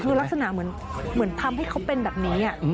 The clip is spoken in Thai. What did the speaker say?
คือลักษณะเหมือนทำให้เขาเป็นแบบนี้